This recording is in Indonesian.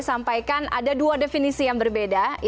sampaikan ada dua definisi yang berbeda